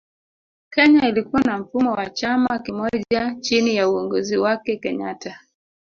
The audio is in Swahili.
Kenya ilikuwa na mfumo wa chama kimoja chini ya uongozi wake kenyatta